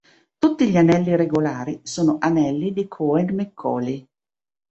Tutti gli anelli regolari sono anelli di Cohen-Macaulay.